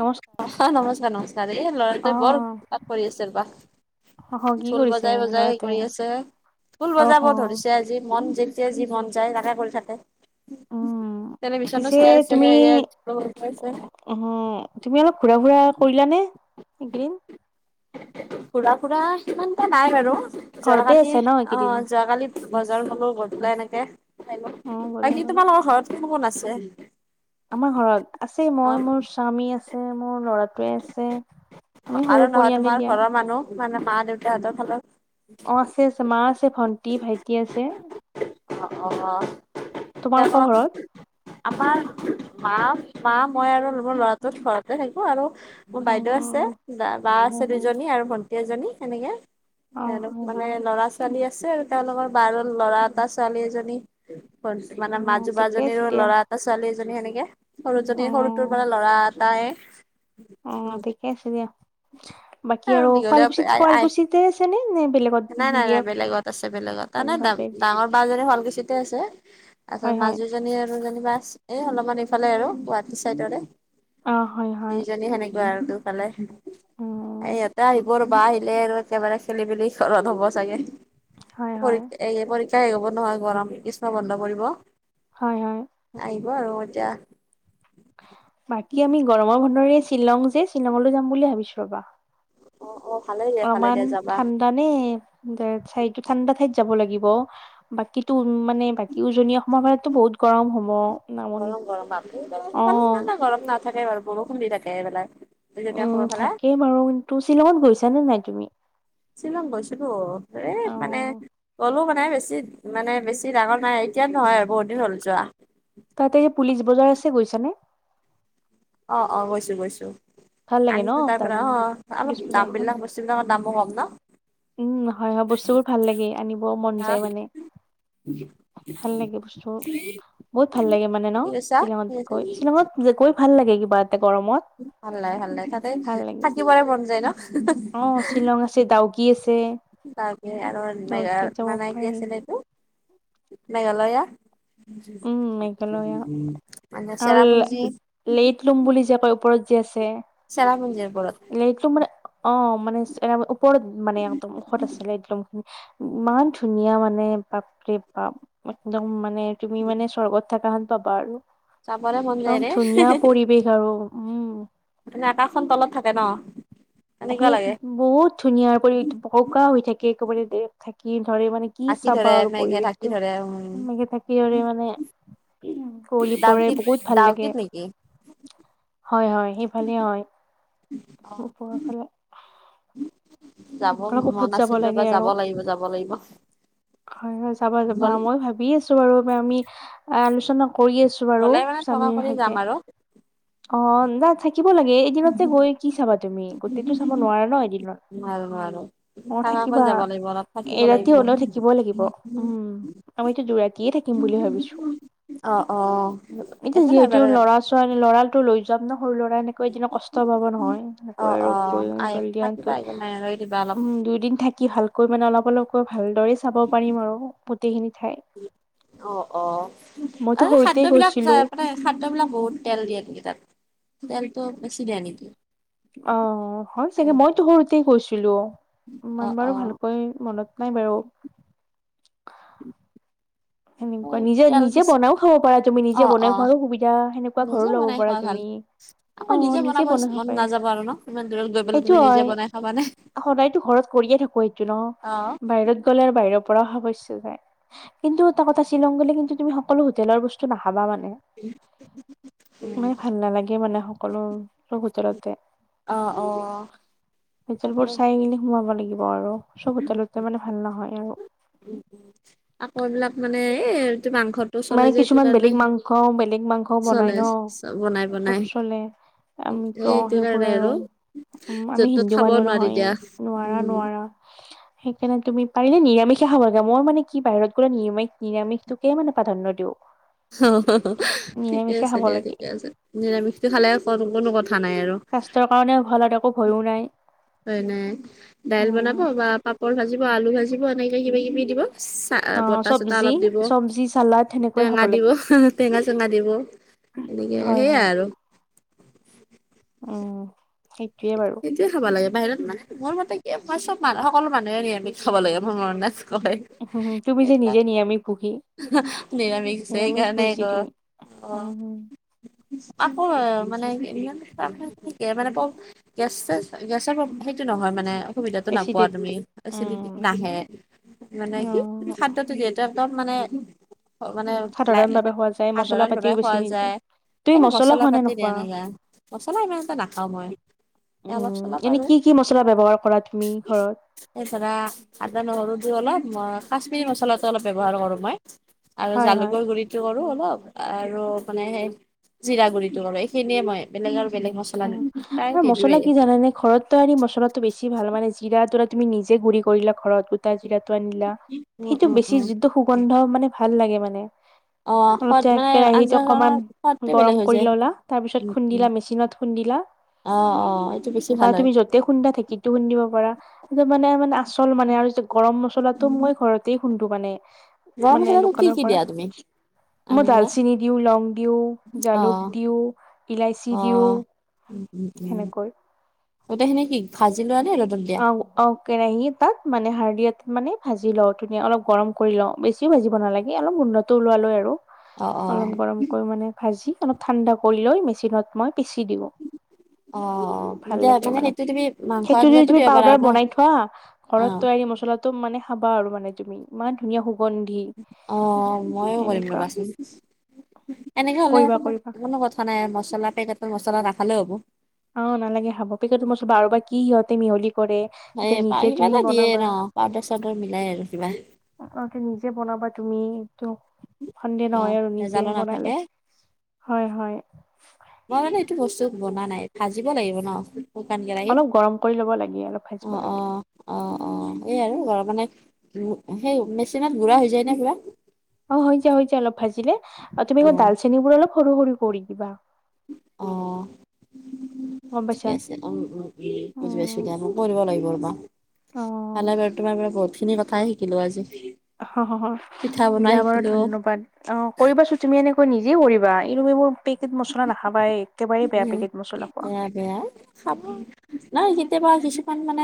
নমস্কাৰ অ' নমস্কাৰ নমস্কাৰ এই ল'ৰাটোৱে বৰ অ উৎপাত কৰি আছিল বা অহ কি ঢোল কৰিছে বজাই বজাই কৰি ল'ৰাটোৱে আছে ঢোল অহ বজাব ধৰিছে আজি মনজে যে যি মন যায় তাকে কৰি থাকে। উম তেনে মিছনো পিছে চাই আছে তুমি ইাত পাইছে উম তুমি অলপ ঘূৰা ফুৰা কৰিলা নে? এইকেইদিন, ঘুৰা ফুৰা সিমানটা নাই বাৰু। ঘৰতে যোৱাকালি আছে ন অ' এইকেইদিন যোৱাকালি বজাৰ মোৰ গধূলা এনেকে অ ব'লা বাকী ব'লা তোমালোকৰ ঘৰত কোন কোন আছে? আমাৰ ঘৰত আছে অ মই মোৰ স্বামী আছে মোৰ ল'ৰাটোৱে আছে। আমি সৰু আৰু নহয় পৰিয়ালে তোমাৰ দিয়া ঘৰৰ মানুহ মানে মা দেউত হতৰ ফালৰ অ' আছে আছে মা আছে ভন্টি, ভাইটি আছে। অ' অ' অ' তোমালোকৰ তেওঁ ঘৰত আমাৰ মা, মা, মই আৰু মোৰ ল'ৰাটো ঘৰতে থাকো আৰু মোৰ অ বাইদেউ আছে অ বা হয় আছে হয় দুইজনী আৰু ভন্টি এজনী এনেকে অ এ হয় মানে হয় ল'ৰা ছোৱালী আছ আছে আৰু তেওঁলোকৰ বাৰ ল'ৰা এটা ছোৱালী এজনী মানে অ মাজু ঠিকে আছে বাজনীৰো দিয়া ল'ৰা এটা ছোৱালী সেনেকে সৰু অ জনী সৰুটোৰ পৰা ল'ৰা এটায়ে। অ ঠিকে আছে দিয়া। বাকী এ আৰু দীঘলীয়া শুৱালকুছিত শুৱালকুছিতে আছে নে নে বেলেগত [unintelligible] নাই নাই বিয়া নাই বেলেগত আছে বেলেগত। তাৰমানো ডা-ডাঙৰ বাছজনী শুৱালকুছিতে আছে তাৰপিছত হয় হয় মাজুজনী আৰুজনী বাছ এ অলপমান এইফালে আৰু গুৱাহাটী চাইদৰে অ হয় হয় দুইজনী সেনেকুৱা আৰু তোক ভালে উম, ইহঁতে আহিব আৰু ৰবা আহিলে আৰু একেবাৰে খেলি মেলি ঘৰত হ'ব চাগে। হয় হয় এই পৰীক্ষা শেষ হ'ব নহয় গৰম গ্ৰীষ্ম বন্ধ পৰিব। হয় হয় আহিব আৰু এতিয়া। বাকী আমি গৰমৰ বন্ধৰে শ্বিলং যে শ্বিলংলৈ যাম বুলি ভাবিছো ৰবা। অ', অ', ভালে দিয়া ভালে অমান দিয়া যাবা। ঠাণ্ডা নে [unintelligible] ঠাণ্ডা থাইত যাব লাগিব বাকীটো উ মানে বাকী উজনি অসমৰ ফালতো বহুত গৰম হ'ব। নামনিত গৰম গৰম বাপনি অ সফালে গৰম নাথাকে বাৰু বৰষুণ দি থাকে সেইফালে। উম থাকেই বাৰু কিন্তু শ্বিলঙত গৈছানে নাই তুমি? শ্বিলং গৈছিলো এ অ মানে অলপ নাই বেছি মানে বেছি ডাঙৰ নাই এতিয়া নহয় আৰু বহুত দিন হ'ল যোৱা। তাতে পুলিচ বজাৰ আছে গৈছানে? অ অ গৈছো গৈছো। ভাল লাগে ন আনিছো তাৰ তাত পৰা অ পুলিচ অলপ দাম বজাৰখন বিলাক বস্তু বিলাকৰ দামো কম ন? উম হয় হয় বস্তুবোৰ ভাল লাগে আনিবও মন ন। যায় মানে। ভাল লাগে বস্তু বহুত ভাল লাগে মানে ন কি কৈছা কি শ্বিলঙত কৈছা গৈ শ্বিলঙত যে গৈ ভাল লাগে কিবা এতে গৰমত। ভাল লাগে ভাল লাগে, তাতে ভাল লাগে থাকিবলৈ মন যায় ন? অ শ্বিলং আছে ডাউকি আছে। তে আৰু মে ডাউকি যাব মানে কি পাৰি আছিল এইটো মেঘালয়া। উম একেলগে মানে আৰু চেৰাপুঞ্জী লেট লোম বুলি যে কয় ওপৰত জে আছে। চেৰাপুঞ্জীৰ ওপৰত লেইটলুম অ মানে এ ওপৰত মানে একদম উষত আছিলে একদমিনি ইমান ধুনীয়া মানে। বাপৰে বাপ, একদম মানে তুমি মানে স্বৰ্গত থাকা হান পাবা আৰু। চাবলে মন যায় একদম ৰে ধুনীয়া পৰিৱেশ আৰু, উম। মানে আকাশখন তলত থাকে ন? এনেকুৱা আপুনি লাগে বহুত ধুনীয়া পৰি বকা হৈ থাকে একেবাৰে দে থাকি। ধৰে মানে কি ঢাকি চাবা ধৰে আৰু মেঘে ঢাকি পৰিৱেশটো, ধৰে উম মেঘে ঢাকি আৰু মানে পৰে ডাউকী বহুত ভাল লাগে ডাউকীত নেকি? হয় হয় সিফালেই হয় অ ওপৰৰ ফালে। যাব অলপ ওখত মন যাব আছিল লাগে ৰবা আৰু যাব লাগিব যাব লাগিব। হয় হয় যাবা যাবা গল মই ভাবি আছো বাৰু আমি আলোচনা কৰি আছো বাৰু গ'লে মানে থকা স্বামীৰ কৰি যাম সৈতে। আৰু অ না থাকিব লাগে এদিনতে গৈ কি চাবা তুমি, গোটেইটো চাব নোৱাৰা ন একদিনত। নোৱাৰো নোৱাৰো অ থাকাকৈ থাকিবা যাব লাগিব অলপ থাকিব এৰাতি লাগিব হলেও থাকিবই লাগিব, উম। আমিতো দোৰাতিয়ে থাকিম বুলি ভাবিছো। অ অ এতিয়া একো নাই যিহেতু বাৰু লৰা ছোৱালী লৰাটো লৈ যাম ন। সৰু ল'ৰাই এনেকৈ এদিন কষ্ট পাব নহয় অ এনেকৈ আৰু অ গৈ আহ জলদি পাতিবা এনকৈ। একো নাই আৰু এৰি দিবা অলপ। উম দুইদিন থাকি ভালকৈ মানে অলপ অলপকৈ ভালদৰে চাব পাৰিম আৰু গোটেইখিনি ঠাই। অ' অ' মইতো আৰু সৰুতে খাদ্যবিলাক গৈছিলো মানে খাদ্যসামগ্ৰীৰ বহুত তেল দিয়ে হেকিতত। দালটো বেছিধ আনি দি? অ' হয় চাগে মইতো সৰুতে কৈছিলো অ ইমান অ বাৰু ভালকৈ মনত নাই বাৰু। সেনেকুৱা নিজে তেল নিজে বেছি বনাইও খাব পাৰা তুমি অ নিজে অ বনাই খোৱাৰো সুবিধা সেনেকুৱা ঘৰো ল'ব পাৰা তুমি। আ অ মই নিজে বনাব বনাই খাব মন পাৰা নাযাব আৰু ন, ইমান দূৰত গৈ পেলাই সেইটো তুমি নিজে হয় বনাই খাবানে? সদায়তো ঘৰত কৰিয়ে থাকো সেইটো অ ন বাহিৰত গ'লে আৰু বাহিৰৰ [unintelligible] খাব ইচ্ছা যাই, কিন্তু এটা কথা শ্বিলং গলে কিন্তু তুমি সকলো হোটেলৰ বস্তু নাখাবা মান [unintelligible] উম, মানে ভাল নালাগে মানে সকলো হোটেলতে। অ অ হোটেলবোৰ তাকেও চাই কেনে সোমাব লাগিব। লাগিব আৰু চব হোটেলতে মানে ভাল নহয় আৰু। আকৌ এইবিলাক মানে এ মানে কিছুমান বেলেগ মাংস, বেলেগ মাংসও বনাই চলে ন বনাই চব বনাই চলে। আমিতো অঁ এইটো সেইবোৰ কাৰণে আৰু। উম, আমি য'ত ত'ত হিন্দু খাব মানুহ নোৱাৰি নহয় দিয়া। নোৱাৰা উম নোৱাৰা। সেইকাৰণে তুমি পাৰিলে নিৰামিষে খাব লাগে মই মানে কি বাহিৰত গ'লে নিৰািষ নিৰা কিয় মানে প্ৰাধান্য দিওঁ? ঠিকে নিৰামিষে আছে খাব দিয়া, লাগে ঠিকে আছে, নিৰামিষটো খালে [unintelligible] স্বাস্থ্যৰ কাৰণেও ভাল, [unintelligible] একো ভয়ো নাই। হয়, নাই দাইল উম, বনাব, বা পাপৰ ভাজিব, আলু ভাজিব এনেকে কিবা কিবি দিব। চা অ বতা চটা চব্জি অলপ দিব, চব্জি চালাড সেনেকৈ খাব টেঙা দিব লাগে টেঙা, চেঙা দিব। এনেকে সেইয়াই আৰু। অ'। সেইটোয়ে খাব লাগে বাহিৰত মানে মোৰ মতে কি, চব মানুহ-সকলো মানুহে নিৰামিষ আমি খাব লাগে মোৰ তুমি যে নিজে নিৰামিষ ভুগী [unintelligible] [unintelligible] নিৰামিষ সেইকাৰণে আক উম, উম। আকৌ মানে [unintelligible] গেছ চেছ গেছৰ প্ৰ-সেইটো নহয় মানে। অসুবিধাটো নাপোৱা তুমি এচিডিটিটো উম এচিডিটিতো নাহে মানে অ কি, তুমি খাদ্যটো যিহেতু একদম মানে, মানে সাধাৰণ ভাৱে [unintelligible] খোৱা যায় মছলা সাধাৰণ ভাৱে পাতিও বেছি খোৱা নিদিয়ে। যায়। তুমি একো মছলা খোৱা নে পাতি দিয়া নোখোৱা? নাযায়, মছলা ইমান এটা নাখাওঁ মই। এ অলপ উম, চলপ এনেই আৰু কি, কি মছলা ব্যৱহাৰ কৰা তুমি ঘৰত? এ‌, ধৰা আদা, নহৰু দিওঁ অল অলপ ম, কাশ্মিৰী মছলাটো অলপ ব্যৱহাৰ কৰোঁ মই, আৰু হয় হয়। জালুকৰ গুড়িটো কৰোঁ অলপ। আৰু মানে সেই জিৰা গুৰিটো কৰোঁ, এইখিনিয়ে মই বেলেগ আৰু বেলেগ অ মছলা আৰু [unintelligible] মছলা কি জানানে? ঘৰত তৈয়াৰী মছলাটো বেছি ভাল মানে জিৰা তোৰা তুমি নিজে গুৰি কৰিলা ঘৰত, গোটা জিৰাটো আনিলা, উম সেইটো উম বেছি উম যিটো সুগন্ধ মানে ভাল লাগে মানে অ অলপ সোৱাদ তিয়াই মানে কেৰাহিত অকমান আঞ্জাখনৰ সোৱাদটোৱে বেলেগ গৰম হৈ কৰি যায় ললা তাৰপিছত উম উম খুন্দিলা মেচিনত খুন্দিলা। অ অ এইটো বেছি বা ভাল তুমি যতেই খুন্দা ঢেঁকীটো খুন্দিব পাৰা, সেইটো মানে মানে আচল মানে আৰু যে গৰম মছলাটো হয় মই ঘৰতে খুন্দু মানে গৰম মানে মছলাটো কি দোকানৰ কি পৰা দিয়া তুমি মই আনি পেলাই ডালচিনি দিওঁ, লং দিওঁ, অ জালুক দিওঁ, ইলাচি অ দিওঁ উম উম উম সেনেকৈ গোটেইখিনি কি ভাজি লোৱা নে ৰ'দত দিয়া অঁ অঁ কেৰাহীত বা মানে হাৰ্ডিয়াত মানে ভাজি লওঁ ধুনীয়া অলপ গৰম কৰি লওঁ, বেছিও ভাজিব নালাগে অলপ গোন্ধটো ওলোৱালৈ আৰু। অ অ অলম গৰম কৰি মানে ভাজি অলপ ঠাণ্ডা কৰি লৈ মেচিনত মই পিচি দওঁ অ ভাল দিয়া লাগে মানে, সেইটো তুমি মাংস সেইটোৰে আঞ্জাতো তুমি দিব পাৰা পাউদাৰ ন বনাই থোৱা অ ঘৰত তৈয়াৰী মছলাটো মানে খাবা আৰু মানে তুমি, ইমান ধুনীয়া সু অ ময়ো কৰিম সেনেকুৱা ৰবাচোন। এনেকে হলে কৰিবা একো নাই কৰিবা কোনো কথা নাই মছলা পেকেটৰ মছলা নাখালে হ'ব। অ নালাগে খাব, পেকেট মছলা আৰু বা কি সিহঁতে মিহলি কৰে এই এতিয়া পা- নিজে কিবা তুমি এটা দিয়ে বনাবা। ন পাউদাৰ চাউদাৰ মিলাই আৰু কিবা নিজে বনাবা তুমি এইটো সন্দেহ অ নহয় আৰু নিজে ভেজালো বনালে, নাথাকে হয় হয়। বনা নাই ভাজিব লাগিব ন শুকান কেৰাহীত? অলপ গৰম কৰি ল'ব লাগে অলপ ভাজিব অঁ অ লাগে অ। অ এই আৰু ঘ মানে সেই মেচিনত গুড়া হৈ যায় নে পোৰা? অ হৈ যায় হৈ যায় অলপ ভাজিলে, আৰু তুমি ম অ', ডালচেনিবোৰ অলপ সৰু সৰু কৰি দিবা। অঁ। গম ঠিক পাইছা আছে অঁ অঁ বুজি পাইছো দেয়া নো কৰিব লাগিব ৰবা অ ভালে বাৰু তোমাৰ পৰা বহুত খিনি কথাই শিকিলো আজি। অ' হ হ পিঠা বনাই দিয়া বাৰু শিকিলোঁ ধন্যবাদ। অঁ কৰিবাচোন তুমি এনে নিজে কৰিবা এইটো এইবোৰ পেকেট মছলা নাখাবাই একেবাৰেই বেয়া উম, পেকেট মছলা খোৱা। বেয়া বেয়া খাব নাই কেতিয়াবা কিছুমান মানে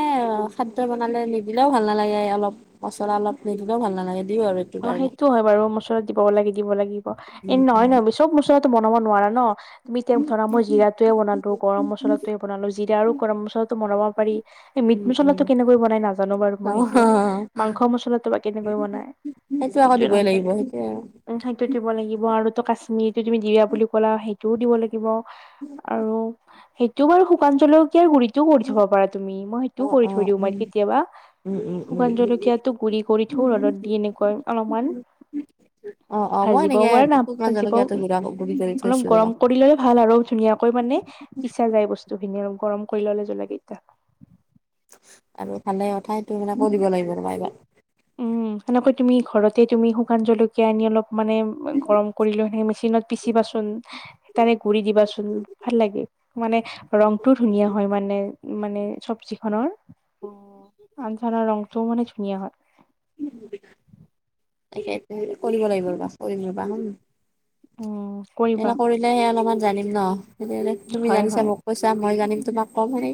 খাদ্য বনালে নিদিলেও ভাল নালাগে অলপ পচলা অলপ নিদ দিলো ভালা নালাগে দিওঁ আৰু এইটো অঁ কাৰণে সেইটোও হয় বাৰু মচলাৰত দিব লাগে দিব লাগিব এ উম, নহয় নহয় চব মচৰত ত বনাব নোৱাৰা ন তুমি তিয়াই ধৰা মই জিৰাটোৱে বনালো গৰম মছলাটোৱে বনালো। জিৰা আৰু গৰম মছলাটো বনাব পাৰি। এই মিট উম, উম। মছলাটো কেনেকৈ বনাই নাজানো বাৰু মই সেইটো। অ', মাংস মছলাটো বা কেনেকৈ বনাই সেইটো আকৌ সেইটোয়ে দিবই লাগিব নাজানো সেইটোৱে আৰু উম সেইটোৱে দিব লাগিব আৰু টো কাশ্মীৰটো তুমি দিৰা বুলি ক'লা। সেইটোও দিব লাগিব আৰু সেইটো বাৰু শুকান জলকীয়াৰ গুৰি সেইটোও কৰি থ'ব পাৰা তুমি, মই সেইটোও অ', কৰি থৈ অ', দিও উম, মই কেতিয়াবা। উম, উম, শুকান উম। জলকীয়াটো গুৰি কৰি থৈ ৰ'দত দি এনেকৈ অলপমান অ অ মই ভাজিব এনেকে পাৱে শুকান নাভাজিব ও জলকীয়াটো ওম গুড়া গুৰি কৰি অলপ থৈছো ৰবা গৰম কৰিলেহে ভাল আৰু ধুনীয়াকৈ মানে পিছা যায় বস্তু খিনি আ গৰম কৰি ল'লে জলা কেইটা আৰু ভালে কথাইটো মান লাগিব ৰ এইবাৰ উ সেনেকৈ তুমি ঘৰতে তুমি শুকান জলকীয়া আনি অলপ মানে গৰম কৰি লৈ কেনে মেচিনত পিচিবা চোন তাৰে গুৰি দিবাচোন ভাল লাগে। মানে ৰংটোও ধুনীয়া হয় মানে মানে চবজি খনৰ। আঞ্জান ৰংটোও মানে, ধুনিয়া হয়। [unintelligible] কৰিব লাগিব ৰব। কৰিম ৰবা হ'ম। উম কৰিবা এনে কৰিলেহে, অলপমান জানিম ন। সেনে হ'লে, তুমি হয় জানিছা হয় মোক কৈছা, মই জানিম তোম কম হয় নে।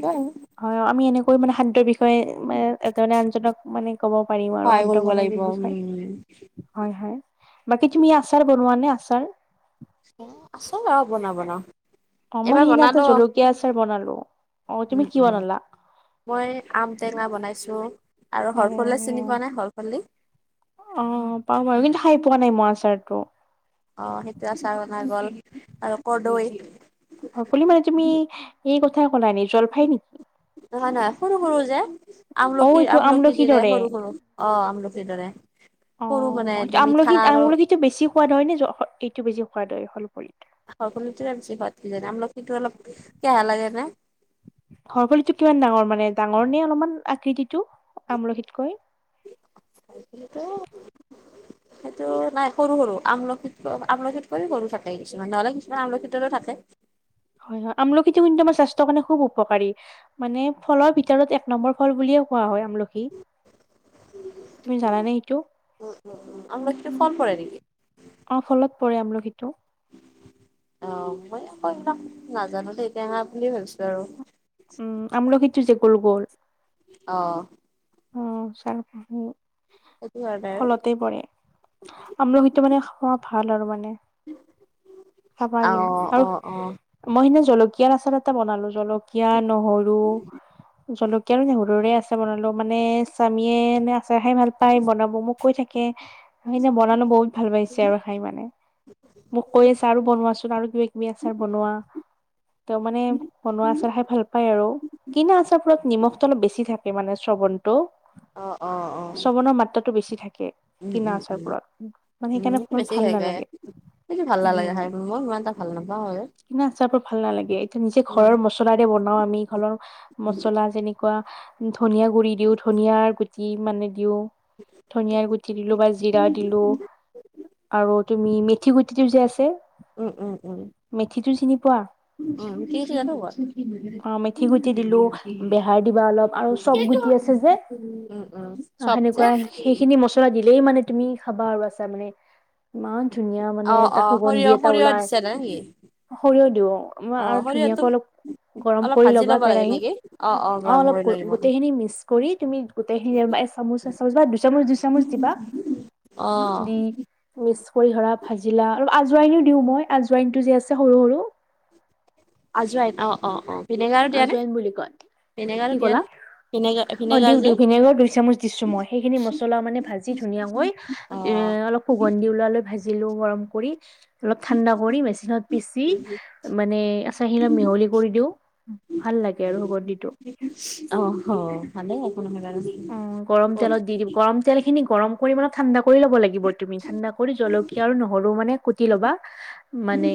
হয় আমি এনেকৈ মানে খাদ্যৰ বিষয়ে। মানে এজনে আনজনক মানে ক'ব পাৰিম আৰু সহায় খাদ্য কৰিব লাগিব প্ৰণালীৰ উম বিষয়ে। হয়, হয়। বাকি তুমি আচাৰ বনোৱা নে। আচাৰ। আচাৰ আৰু বনাও বনাও। অহ' মই এইবাৰ সেইদিনা এটা বনালো জলকীয়া আচাৰ বনালো। অহ, উম তুমি কি উম বনালা। মই আম টেঙা বনাইছো। আৰু হৰফলা চিনি পোৱা নাই হৰফলি। অহ' পাওঁ বাৰু কিন্তু, খাই পোৱা নাই মই আচাৰটো। অহ' সেইটো আচাৰ বনাই গ'ল আৰু কৰ্দৈ। সকলো মানে তুমি, এই কথা কলাই নি জলফাই নেকি। নহয়, নহয় সৰু সৰু যে। অ আমলখি এইটো আমলখি আমলখিৰ দিৰে, দৰে সৰু সৰু অহ, আমলখি দৰে। সৰু মানে অহ' এইটো মিঠা আমলখি আৰু আমলখিতো বেছি সোৱাদ হয় নে, এইটো বেছি সোৱাদ হয়। সলফলিত হৰফলিটোৰে বেছি সোৱাত কিজানি, আমলখিতো অলপ কেহা লাগে নে? হকললিতো কিমান ডাঙৰ মানে, ডাঙৰ নে অলপমান আকৃতিৰ। টো আমলখিতকৈ। কিন্তু সেইটো নাই, সৰু সৰু আমলখিত আমলখিকৈও সৰু থাকে কিছুমান। নহ'লে কিছুমান আমলখিতৰ দৰে থাকে। [inaudible] হয়, হয় আমলখি কিন্তু, আমাৰ স্বাস্থ্য কাৰণে, খুব উপকাৰী। মানে ফলৰ ভিতৰত এক নম্বৰ ফল বুলি। খোৱা হয়, আমলখি। [unintelligible] তুমি জানা নে সেইটো। আমলখিটো ফল পৰে নেকি অহ, ফলত। পৰে আমলখিটো। অহ' মই আকৌ এইবিলাক নাজানো দেই কেহা বুলি ভাবিছোঁ আৰু। উম' আমলখিটো যে গোল গোল। অহ'। অহ' সেইটো কাৰণে ফলতে পৰে। আমলখিটো মানে, খোৱা ভাল আৰু মানে। খাবা যেনি, অ আৰু অ অ মই সেইদিনা। জলকীয়াৰ আচাৰ এটা বনালো। জলকীয়া নহৰু জলকীয়া আৰু নহৰুৰে আছাৰ বনালো। মানে, স্বামীয়ে নে আচাৰ খাই ভাল পায়। বনাব মোক কৈ থাকে। সেইদিনা বনালো বহুত ভাল পাইছে আৰু খাই মানে। মোক কৈ আছে আৰু বনোৱাচোন। আৰু কিবা কিবি আচাৰ বনোৱা। ত' মানে বনোৱা আচাৰ খাই ভাল পায় আৰু। কিনা আচাৰবোৰত নিমখটো অলপ বেছি থাকে মানে। টো অ অ অ শ্ৰৱণৰ মাত্ৰাটো বেছি থাকে। উম কিনা উম উম আচাৰবোৰত, মানে উম সেইকাৰণে সেইটো মোৰ বেছি ভাল হেৰি কৰে নালাগে। সেইটো ভাল নালাগে উম খাই। মই ইমান এটা ভাল নাপাওঁ আৰু। কিনা আচাৰবোৰ ভাল নালাগে, এইটো নিজে উম ঘৰৰ মছলাদে বনাও আমি ঘৰৰ, মছলা যেনেকুৱা। ধনিয়া গুড়ি দিওঁ। ধনিয়াৰ গুটি মানে দিওঁ। ধনিয়াৰ গুটি দিলো বা জিৰা দিলো। আৰু তুমি মেথ মেথি গুটিটো যে আছে। উম মেথিটো চিনি পোৱা? হ'ব। অহ' মেথি গুটি দিলোঁ। উম বেহাৰ দিবা অলপ আৰু চব গুটি আছে যে। উম অ' চপ যে সেনেকুৱা সেইখিনি মছলা দিলেই মানে, তুমি খাবা আৰু আছাৰ মানে ইমান ধুনীয়া মানে, অ এটা অ সুগন্ধি সৰিয়হ এটা সৰিয়হ ওলাই। দিছে নে কি? সৰিয়হ দিওঁ অহ, মই অ আৰু সৰিয়হটো ধুনীয়াকৈ অলপ। গৰম অলপ কৰি ভাজি ল'বা ল'ব লাগে কেৰাহি। নেকি? অ অ অহ, গৰম অলপ কৰি লৈ দিব গোটেইখিনি মিক্স কৰি তুমি গোটেইখিনি। এ চামুচ এচামুচ বা দুচামুচ দুইচামুচ দিবা। আহ, মিকছ কৰি ভাজিলা আৰু আজোৱনও দিও মই আজোৱইনটো যে আছে সৰু সৰু আজৰাই অ, অ, অ, আজুৱন বুলি কয়? ভিনেগাৰ কি টো দিয়া ক'লা নে? ভিনেগাৰ অ দি ভিনেগাৰ যে দি ভিনেগাৰ দুই চামুচ দিছো মই সেইখিনি মছলা মানে ভাজি ধুনীয়াকৈ। অ এ অলপ সুগন্ধি ওলালে ভাজিলো গৰম কৰি। অলপ ঠাণ্ডা কৰি মেচিনত পিচি মানে আচাৰখী অলপ মিহলি কৰি দিওঁ। ভাল লাগে আৰু সুগন্ধিটো অহ ভালে আ। অ গৰম তেলত দি দি গৰম তেল খিনি গৰম কৰিান ঠাণ্ডা। কৰিব লাগিব তুমি ঠাণ্ডা কৰি জলকীয়া আৰু নহৰু মানে কোটি ল'বা মানে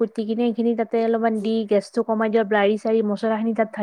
কুটি কিনে সেইখিনি ততে অলপমান দি গেছটো কমাই দিয় বাৰি চাৰি মছলা খিনি তাত থাক।